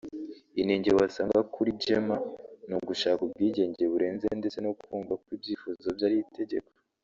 Inenge wasanga kuri Gemma ni ugushaka ubwigenge burenze ndetse no kumva ko ibyifuzo bye ari itegeko